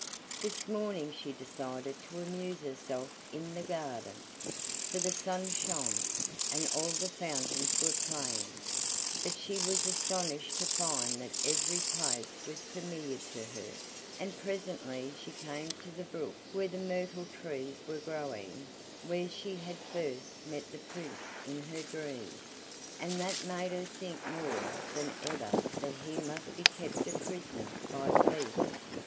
This morning she decided to amuse herself in the garden, for the sun shone, and all the fountains were playing; but she was astonished to find that every place was familiar to her, and presently she came to the brook where the myrtle trees were growing where she had first met the Prince in her dream, and that made her think more than ever that he must be kept a prisoner by the Beast.